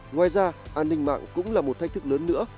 ngoài ra an ninh mạng cũng là một thách thức lớn nữa